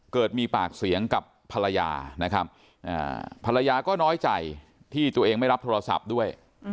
เกิดมีปากเสียงกับภรรยานะครับภรรยาก็น้อยใจที่ตัวเองไม่รับโทรศัพท์ด้วย